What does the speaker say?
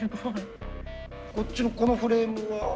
こっちのこのフレームは？